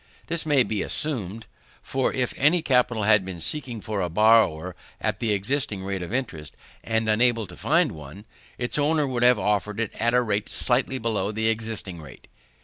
This may be assumed; for if any capital had been seeking for a borrower at the existing rate of interest, and unable to find one, its owner would have offered it at a rate slightly below the existing rate.